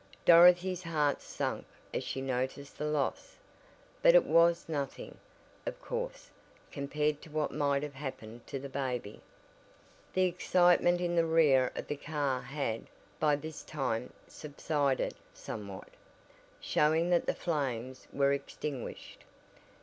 Dorothy's heart sank as she noticed the loss, but it was nothing, of course, compared to what might have happened to the baby. The excitement in the rear of the car had, by this time subsided somewhat, showing that the flames were extinguished.